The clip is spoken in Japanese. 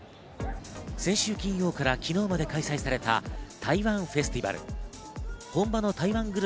先週金曜から昨日まで開催された台湾フェスティバル。